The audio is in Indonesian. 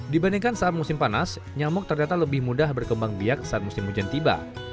dibandingkan saat musim panas nyamuk ternyata lebih mudah berkembang biak saat musim hujan tiba